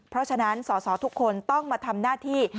เพราะฉะนั้นสอสอทุกคนต้องมาทำหน้าที่